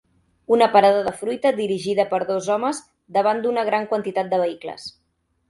Una parada de fruita dirigida per dos home davant d'una gran quantitat de vehicles.